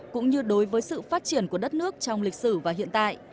cũng như đối với sự phát triển của đất nước trong lịch sử và hiện tại